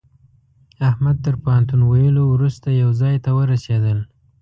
احمد تر پوهنتون ويلو روسته يوه ځای ته ورسېدل.